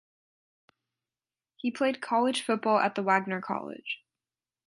He played college football at the Wagner College.